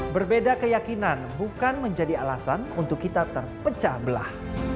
berbeda keyakinan bukan menjadi alasan untuk kita terpecah belah